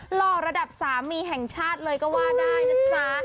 หล่อระดับสามีแห่งชาติเลยก็ว่าได้นะจ๊ะ